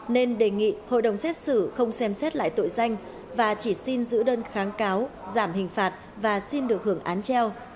nên đề nghị hội đồng xét xử không xem xét lại tội danh và chỉ xin giữ đơn kháng cáo giảm hình phạt và xin được hưởng án treo